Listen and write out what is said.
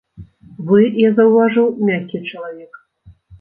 Вы, я заўважыў, мяккі чалавек.